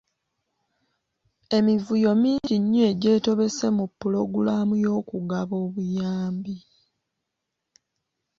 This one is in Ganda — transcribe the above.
Emivuyo mingi nnyo egyetobese mu pulogulaamu y’okugaba obuyambi.